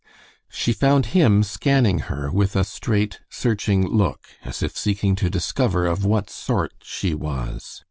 She found him scanning her with a straight, searching look, as if seeking to discover of what sort she was.